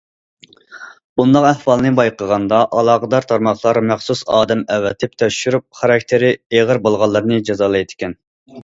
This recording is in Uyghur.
بۇنداق ئەھۋالنى بايقىغاندا ئالاقىدار تارماقلار مەخسۇس ئادەم ئەۋەتىپ تەكشۈرۈپ، خاراكتېرى ئېغىر بولغانلارنى جازالايدىكەن.